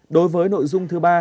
đối với nội dung thứ ba